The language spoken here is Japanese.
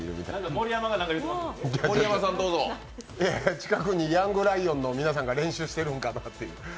近くにヤングライオンの皆さんが練習してるんかなって。